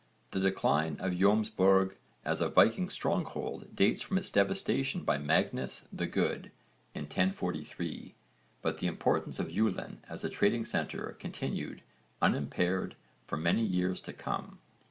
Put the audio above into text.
The decline of Jómsborg as a Viking stronghold dates from its devastation by Magnus the Good in 1043, but the importance of Julin as a trading centre continued unimpaired for many years to come.